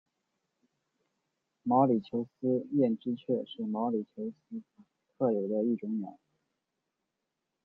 毛里求斯艳织雀是毛里求斯特有的一种鸟。